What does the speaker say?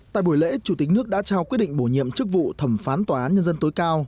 tại buổi lễ chủ tịch nước đã trao quyết định bổ nhiệm chức vụ thẩm phán tòa án nhân dân tối cao